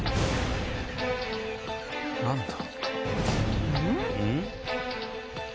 何だ？